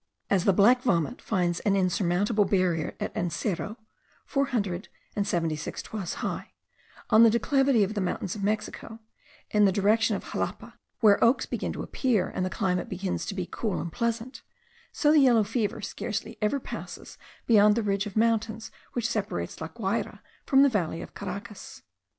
As the black vomit finds an insurmountable barrier at the Encero (four hundred and seventy six toises high), on the declivity of the mountains of Mexico, in the direction of Xalapa, where oaks begin to appear, and the climate begins to be cool and pleasant, so the yellow fever scarcely ever passes beyond the ridge of mountains which separates La Guayra from the valley of Caracas.